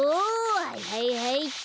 はいはいはいっと。